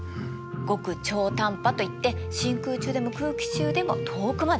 極超短波といって真空中でも空気中でも遠くまで伝わるの。